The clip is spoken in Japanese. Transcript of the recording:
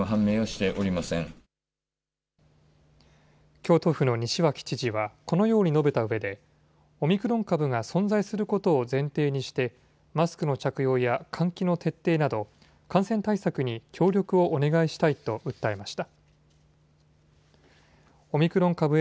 京都府の西脇知事はこのように述べたうえでオミクロン株が存在することを前提にしてマスクの着用や換気の徹底など感染対策に協力をお願いしたいと訴えました。